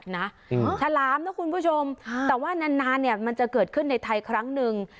ฉลามนะคุณผู้ชมแต่ว่านานนานเนี่ยมันจะเกิดขึ้นในไทยครั้งหนึ่ง